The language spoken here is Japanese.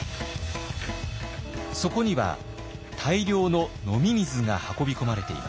そこには大量の飲み水が運び込まれていました。